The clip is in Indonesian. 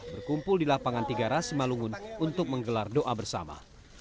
berkumpul di lapangan tiga ras simalungun untuk menggelar doa bersama